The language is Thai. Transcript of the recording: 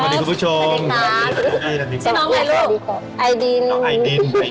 สวัสดีคุณผู้ชมสวัสดีค่ะสวัสดีคุณพี่แพร่ครับเป็นน้องใครลูกสวัสดีค่ะไอดินไอดินเว้ย